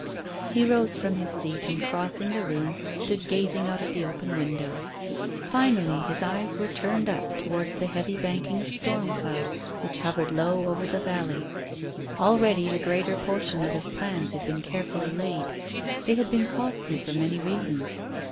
He rose from his seat, and crossing the room stood gazing out of the open window. Finally his eyes were turned up towards the heavy banking of storm clouds which hovered low over the valley. Already the greater portion of his plans had been carefully laid. They had been costly for many reasons.